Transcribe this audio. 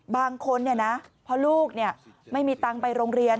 บางคนเนี่ยนะเพราะลูกเนี่ยไม่มีตังค์ไปโรงเรียน